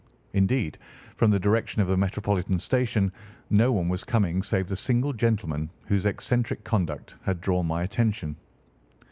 Indeed, from the direction of the Metropolitan Station no one was coming save the single gentleman whose eccentric conduct had drawn my attention.